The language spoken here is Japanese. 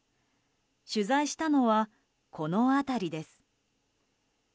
取材したのは、この辺りです。